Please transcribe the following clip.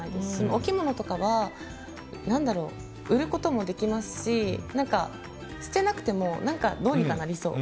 お着物とかは売ることもできますし捨てなくても、どうにかなりそう。